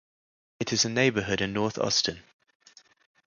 It is a neighborhood in north Austin.